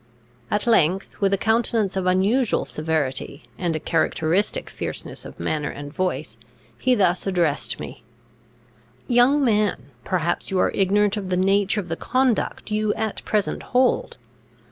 At length, with a countenance of unusual severity, and a characteristic fierceness of manner and voice, he thus addressed me: "Young man, perhaps you are ignorant of the nature of the conduct you at present hold.